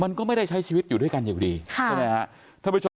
มันก็ไม่ได้ใช้ชีวิตอยู่ด้วยกันอยู่ดีค่ะใช่ไหมฮะ